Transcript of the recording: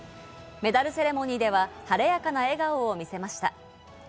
メダルセレモニーでは晴れやかな笑顔を見せました。